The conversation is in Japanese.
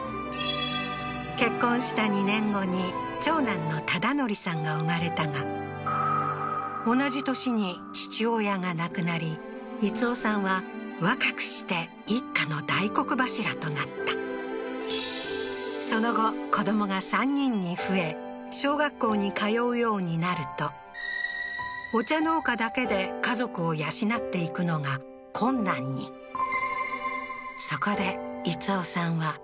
結婚した２年後に長男の忠徳さんが生まれたが同じ年に父親が亡くなり逸雄さんは若くして一家の大黒柱となったその後子供が３人に増え小学校に通うようになるとお茶農家だけで家族を養っていくのが困難にええー